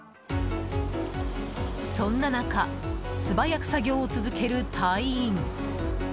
そんな中素早く作業を続ける隊員。